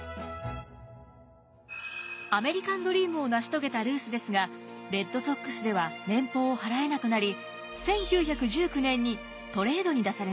アメリカンドリームを成し遂げたルースですがレッドソックスでは年俸を払えなくなり１９１９年にトレードに出されます。